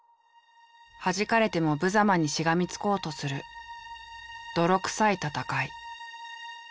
弾かれても無様にしがみ付こうとする泥臭い戦い」。